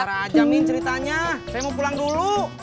tarah aja min ceritanya saya mau pulang dulu